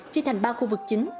chia thành ba khu vực chính